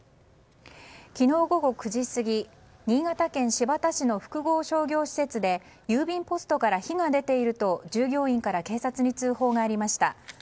昨日午後９時過ぎ新潟県新発田市の複合商業施設で郵便ポストから火が出ていると従業員から警察に通報がありました。